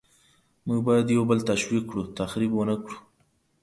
موږ باید یو بل تشویق کړو، تخریب ونکړو.